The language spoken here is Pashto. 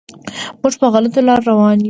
موږ په غلطو لارو روان یم.